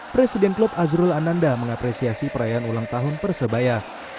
presiden klub azrul ananda mengapresiasi perayaan ulang tahun persebaya